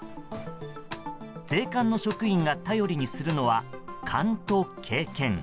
税関の職員が頼りにするのは勘と経験。